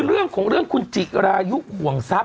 เรื่องของเรื่องคุณจิรายุห่วงทรัพย